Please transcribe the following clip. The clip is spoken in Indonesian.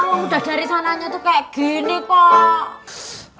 udah dari sananya tuh kayak gini pak